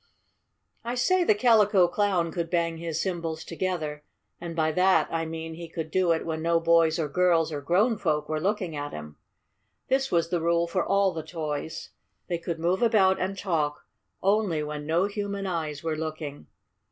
I say the Calico Clown could bang his cymbals together, and by that I mean he could do it when no boys or girls or grown folk were looking at him. This was the rule for all the toys. They could move about and talk only when no human eyes were looking.